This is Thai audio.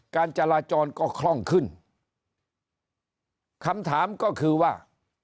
การจราจรก็คล่องขึ้นคำถามก็คือว่า